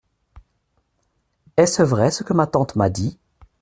Est-ce vrai ce que ma tante m’a dit ?